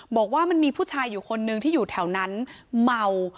บอกว่ามันมีผู้ชายอยู่คนนึงที่อยู่แถวนั้นเมา